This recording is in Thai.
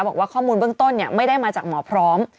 บอกว่าข้อมูลเบื้องต้นไม่ได้มาจากหมอพร้อม